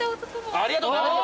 ありがとうございます。